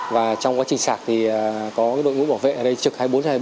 và trong quá trình sạc thì có đội ngũ bảo vệ ở đây trực hai mươi bốn hai mươi